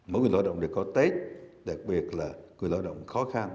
mỗi người lao động đều có tết đặc biệt là người lao động khó khăn